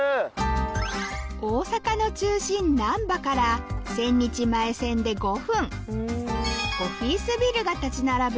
大阪の中心なんばから千日前線で５分オフィスビルが立ち並ぶ